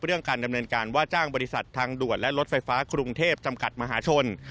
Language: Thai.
เรื่องการดำเนินการว่าจ้างบริษัททางด่วนและรถไฟฟ้ากรุงเทพจำกัดมหาชน